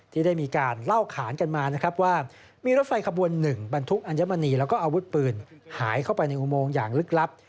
ที่ได้มีการเล่าขานกันมานะครับว่ามีรถไฟขบวนหนึ่งบรรทุกอัญมณีแล้วก็อาวุธปืนหายเข้าไปในอุโมงอย่างลึกลับ